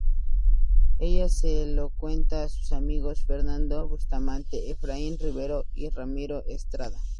Ella se lo cuenta a sus amigos Fernando Bustamante, Efraín Rivero y Ramiro Estrada.